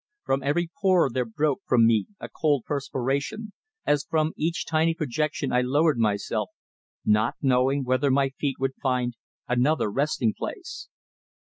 From every pore there broke from me a cold perspiration, as from each tiny projection I lowered myself, not knowing whether my feet would find another resting place.